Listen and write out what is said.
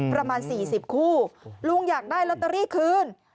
ประมาณ๔๐คู่ลุงอยากได้ลอตเตอรี่คืน